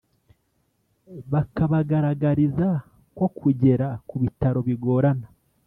bakabagaragariza ko kugera ku bitaro bigorana.